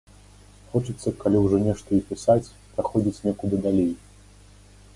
Хочацца, калі ўжо нешта і пісаць, праходзіць некуды далей.